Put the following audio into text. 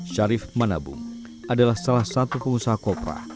syarif manabung adalah salah satu pengusaha kopra